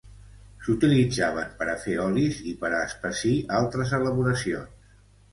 S'utilitzaven per a fer olis i per a espessir altres elaboracions.